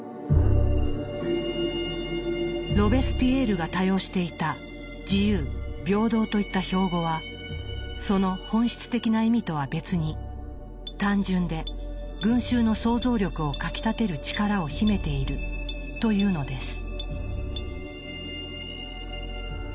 ロベスピエールが多用していた「自由」「平等」といった標語はその本質的な意味とは別に単純で群衆の想像力をかきたてる力を秘めているというのです。